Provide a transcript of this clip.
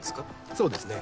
そうですね。